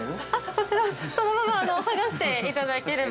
◆こちら、そのまま剥がしていただければ。